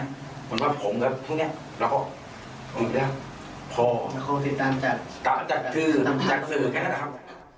เหมือนว่าผมแล้วพรุ่งเนี่ยแล้วก็พอแล้วก็ติดตามจัดจัดสื่อจัดสื่อแค่นั้นแหละครับ